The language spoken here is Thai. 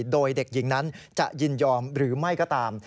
โดยเด็กหญิงนั้นจะยินยอมหรือไม่ก็ตาม